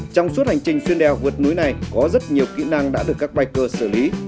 trong suốt hành trình xuyên đèo vượt núi này có rất nhiều kỹ năng đã được các bài thơ xử lý